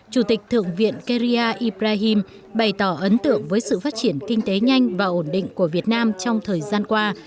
chủ tịch thượng viện kerrya ibrahim bày tỏ ấn tượng với sự phát triển kinh tế nhanh và ổn định của việt nam trong thời gian qua